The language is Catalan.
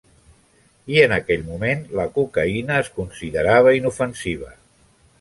Y, en aquell moment, la cocaïna es considerava inofensiva.